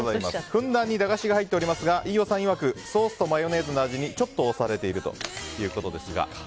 ふんだんに駄菓子が入っておりますが飯尾さんいわくソースとマヨネーズの味にちょっと押されているということですが。